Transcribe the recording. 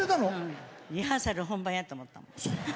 リハーサル、本番やと思った。